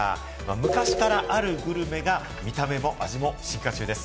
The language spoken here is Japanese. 昔からあるグルメが、見た目も味も進化中です！